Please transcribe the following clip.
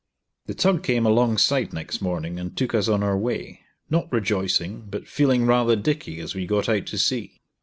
The tug came alongside next morning and took us on our way, not rejoicing, but feeling rather "dicky" as we got out to sea.